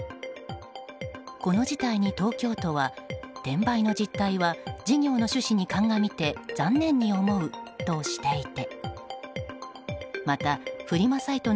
この事態に東京都は転売の実態は事業の趣旨にかんがみて残念に思うとしていて。